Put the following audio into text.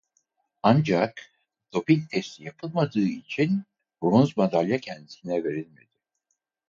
Ancak doping testi yapılmadığı için bronz madalya kendisine verilmedi.